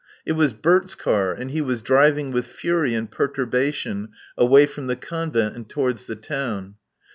It was Bert's car, and he was driving with fury and perturbation away from the Convent and towards the town.